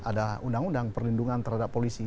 ada undang undang perlindungan terhadap polisi